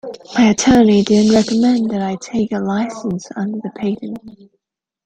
My attorney didn't recommend that I take a licence under the patent.